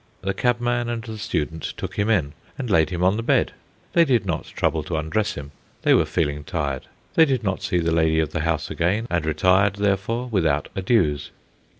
The cabman and the student took him in, and laid him on the bed. They did not trouble to undress him, they were feeling tired! They did not see the lady of the house again, and retired therefore without adieus.